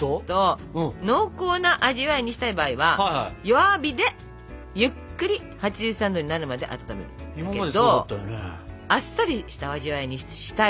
濃厚な味わいにしたい場合は弱火でゆっくり８３℃になるまで温めるんだけどあっさりした味わいにしたいので。